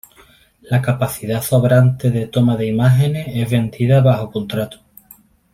La capacidad sobrante de toma de imágenes es vendida bajo contrato.